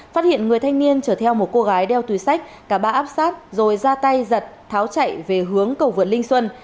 phát hiện người thanh niên chở theo một cô gái đeo túi sách cả ba áp sát rồi ra tay giật tháo chạy về hướng cầu vượt linh xuân